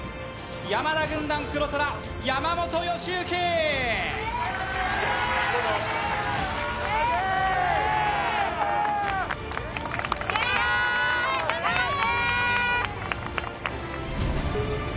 山田軍団・黒虎山本良幸よしいけ！